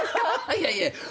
いやいや